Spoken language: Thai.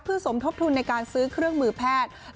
สมทบทุนในการซื้อเครื่องมือแพทย์